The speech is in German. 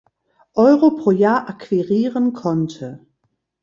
Euro pro Jahr akquirieren konnte.